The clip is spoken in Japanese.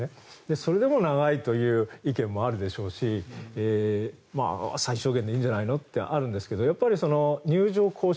それでも長いという意見もあるでしょうし最小限でいいんじゃないのってあるんですけどやっぱり入場行進